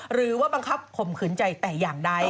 หรือว่าบังคับข่มขืนใจแต่อย่างใด